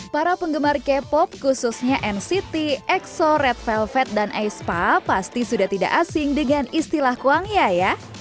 para penggemar k pop khususnya nct exo red velvet dan aespa pasti sudah tidak asing dengan istilah kuangya ya